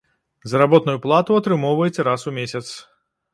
Заработную плату атрымоўваеце раз у месяц.